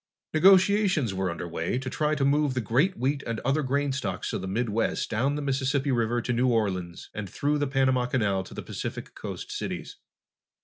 Negotiations were under way to try to move the great wheat and other grain stocks of the Midwest down the Mississippi River to New Orleans and through the Panama Canal to the Pacific Coast cities.